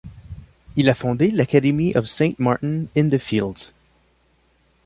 Il a fondé l'Academy of St Martin in the Fields.